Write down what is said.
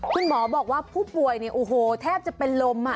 คุณหมอบอกว่าผู้ป่วยเนี่ยโอ้โหแทบจะเป็นลม